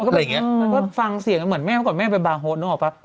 แล้วก็ฟังเสียงเหมือนแม่เมื่อก่อนแม่ไปบาร์โฮสนึกออกป่ะ